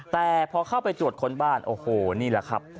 แต่พอเข้าไปจวดค้นบ้านนี่แหละครับ